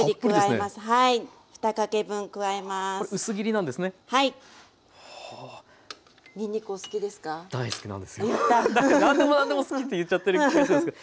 何でも何でも好きって言っちゃってる気がするんですけど。